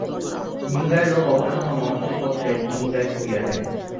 ভিনগাঁয়ের লোক অবসন্ন মন্থর পদে ভিনগাঁয়ে ফিরিয়া যায়।